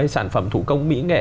sản phẩm thủ công mỹ nghệ